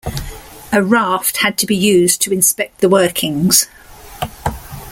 A raft had to be used to inspect the workings.